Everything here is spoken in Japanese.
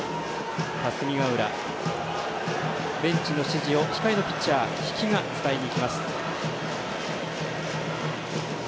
霞ヶ浦ベンチの指示を控えのピッチャー比氣が伝えにいきます。